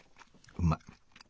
うまい。